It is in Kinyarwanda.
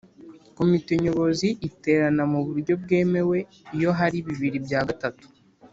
Komite Nyobozi iterana mu buryo bwemewe iyo hari bibiri bya gatatu